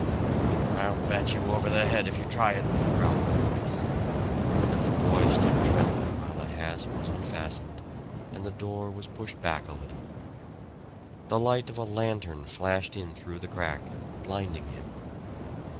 "I'll bat you over the head if you try it," growled the voice; and the boy stood trembling while the hasp was unfastened and the door was pushed back a little. The light of a lantern flashed in through the crack, blinding him.